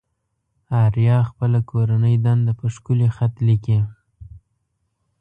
آريا خپله کورنۍ دنده په ښکلي خط ليكي.